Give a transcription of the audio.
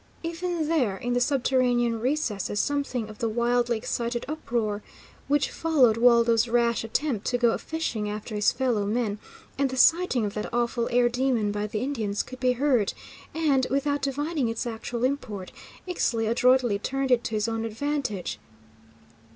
Even there in the subterranean recesses something of the wildly excited uproar which followed Waldo's rash attempt to go a fishing after his fellow men, and the sighting of that awful air demon by the Indians, could be heard, and, without divining its actual import, Ixtli adroitly turned it to his own advantage.